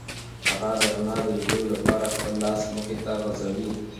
هغه د رڼا د نیولو لپاره خپل لاس مخې ته غځوي.